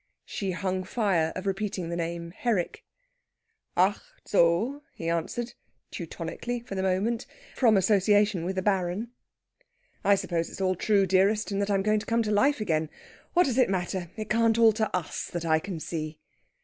She hung fire of repeating the name Herrick. "Ach zo," he answered, teutonically for the moment, from association with the Baron. "But suppose it all true, dearest, and that I'm going to come to life again, what does it matter? It can't alter us, that I can see.